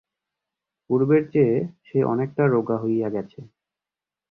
পূর্বের চেয়ে সে অনেকটা রোগা হইয়া গেছে।